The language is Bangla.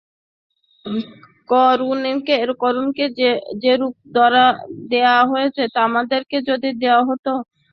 কারূনকে যেরূপ দেয়া হয়েছে আমাদেরকেও যদি তা দেয়া হত!